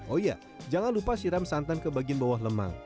oh iya jangan lupa siram santan ke bagian bawah lemang